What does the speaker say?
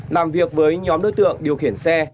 làm việc với nhóm đối tượng điều khiển xe